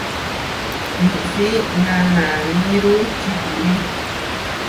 Míʼsi nanániru čikúri.